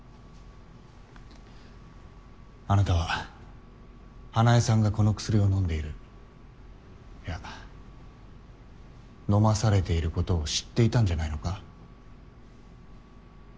あなたは花恵さんがこの薬を飲んでいるいや飲まされていることを知っていたんじゃないのか？